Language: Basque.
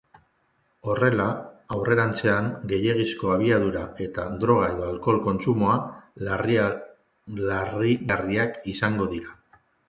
Horrela, aurrerantzean gehiegizko abiadura eta droga edo alkohol kontsumoa larrigarriak izango dira.